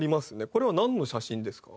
これはなんの写真ですか？